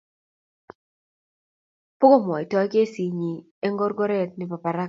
Pukomwotoi kesit nyi eng korkoret nebo parak